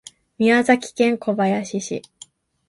宮崎県小林市